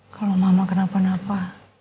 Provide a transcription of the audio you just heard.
kalau mama kenapa napa